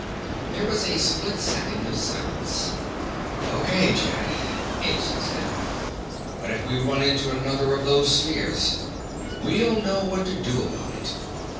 There was a split second of silence. "Okay, Jed," Nielson said. "But if we run into another of those spheres " "We'll know what to do about it.